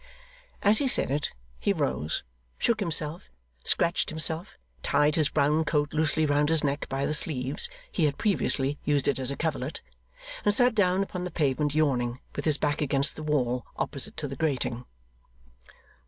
As he said it, he rose, shook himself, scratched himself, tied his brown coat loosely round his neck by the sleeves (he had previously used it as a coverlet), and sat down upon the pavement yawning, with his back against the wall opposite to the grating.